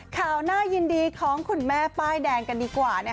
ข่าวน่ายินดีของคุณแม่ป้ายแดงกันดีกว่า